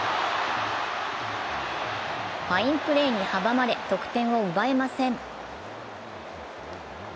ファインプレーに阻まれ、得点を奪えません。